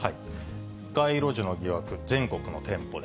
街路樹の疑惑、全国の店舗で。